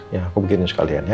ya aku begini sekalian ya